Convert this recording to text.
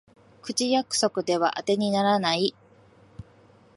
口約束ではあてにならない